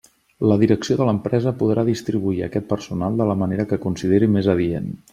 La direcció de l'empresa podrà distribuir aquest personal de la manera que consideri més adient.